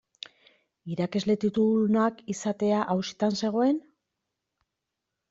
Irakasle tituludunak izatea auzitan zegoen?